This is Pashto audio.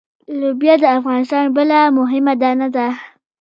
لوبیا د افغانستان بله مهمه دانه ده.